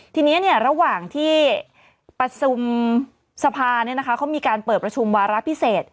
ทีนี้ระหว่างที่ประชุมสภาเขามีการเปิดประชุมวาระพิเศษ